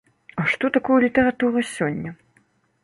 А што такое літаратура сёння?